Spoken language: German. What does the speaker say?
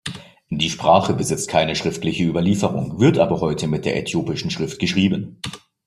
Die Sprache besitzt keine schriftliche Überlieferung, wird aber heute mit der äthiopischen Schrift geschrieben.